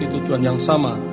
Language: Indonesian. tujuan yang sama